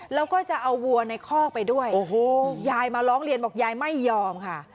แล้วก็จะเอาวัวในคอกไปด้วยโอ้โหยายมาร้องเรียนบอกยายไม่ยอมค่ะ